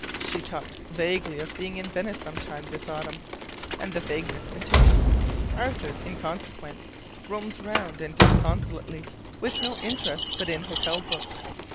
She talked vaguely of being in Venice some time this autumn; and the vagueness continues. Arthur, in consequence, roams round disconsolately with no interest but in hotel books.